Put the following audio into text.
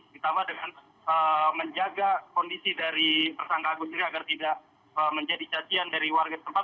ditambah dengan menjaga kondisi dari persangka agustri agar tidak menjadi cacian dari warga tempat